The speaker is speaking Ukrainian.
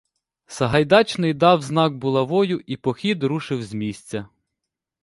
Сагайдачний дав знак булавою і похід рушив з місця.